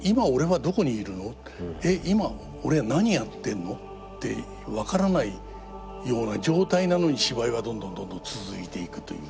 えっ今俺何やってんの？」って分からないような状態なのに芝居はどんどんどんどん続いていくという。